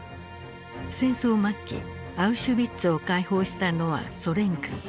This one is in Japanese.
戦争末期アウシュビッツを解放したのはソ連軍。